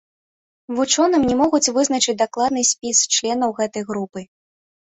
Вучоным не могуць вызначыць дакладны спіс членаў гэтай групы.